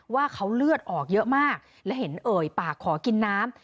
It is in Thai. ว่าเขาเลือดออกเยอะมากและเห็นเอ่ยปากขอกินน้ำ